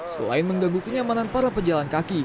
selain mengganggu kenyamanan para pejalan kaki